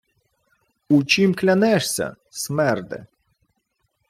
— У чім клянешся, смерде?